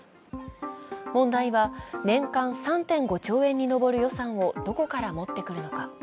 問題は年間３．５兆円に上る予算をどこから持ってくるのか。